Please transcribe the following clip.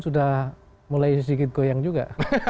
sudah mulai sedikit goyang juga